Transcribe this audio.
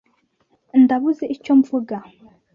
Ndabuze icyo mvuga